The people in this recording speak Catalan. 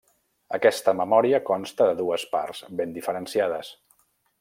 Aquesta memòria consta de dues parts ben diferenciades.